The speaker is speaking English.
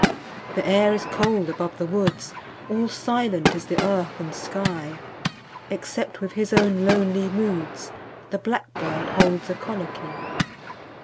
The air is cold above the woods; 5 All silent is the earth and sky, Except with his own lonely moods The blackbird holds a colloquy.